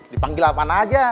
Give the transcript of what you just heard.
dipanggil apaan aja